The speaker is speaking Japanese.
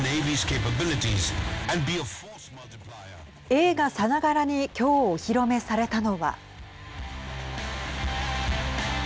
映画さながらに今日、お披露目されたのは。